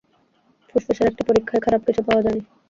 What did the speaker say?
ফুসফুসের একটি পরীক্ষায় খারাপ কিছু পাওয়া যায়নি।